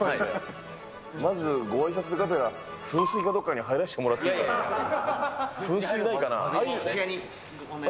まずごあいさつがてら、噴水かどっかに入らせてもらっていいですか。